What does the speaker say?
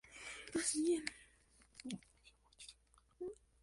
Hoy en día se imparten cursos regulares de nivel inicial, primario y secundario.